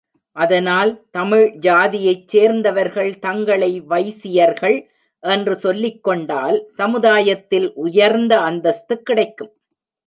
அதனால் தமிழ் ஜாதியைச் சேர்ந்தவர்கள் தங்களை வைசியர்கள் என்று சொல்லிக்கொண்டால், சமுதாயத்தில் உயர்ந்த அந்தஸ்து கிடைக்கும்.